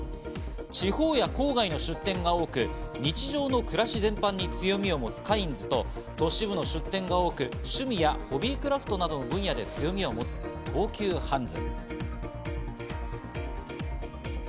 地方や郊外の出店が多く、日常の暮らし全般に強みを持つカインズと、都市部の出店が多く、趣味やホビークラフトなどの分野で強みを持つ東急ハンズ。